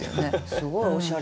すごいおしゃれ。